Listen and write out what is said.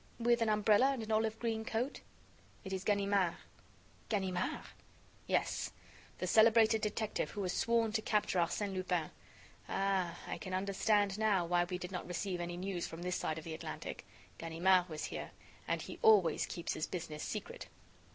"With an umbrella and an olive green coat?" "It is Ganimard." "Ganimard?" "Yes, the celebrated detective who has sworn to capture Arsène Lupin. Ah! I can understand now why we did not receive any news from this side of the Atlantic. Ganimard was here! and he always keeps his business secret."